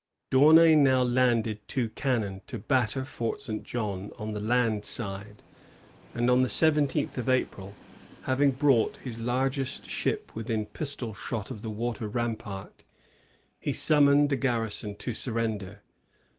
D'Annay now landed two cannon to batter Fort St. Jean on the land side ; and on the seventeenth of April, having brought his largest ship within pistol shot of the water rampc^rt, he summoned the garrison to surrender.